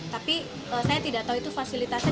tapi saya tidak tahu itu fasilitasnya